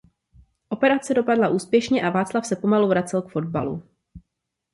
Operace dopadla úspěšně a Václav se pomalu vracel k fotbalu.